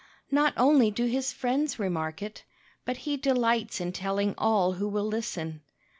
Not only do his friends remark it, but he delights in telling all who will listen.